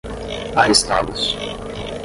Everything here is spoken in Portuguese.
arrestados